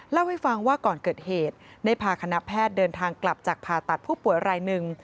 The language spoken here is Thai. เล่าให้ฟังว่าก่อนเกิดเหตุได้พาคณะแพทย์เดินทางกลับจากผ่าตัดผู้ป่วยรายหนึ่ง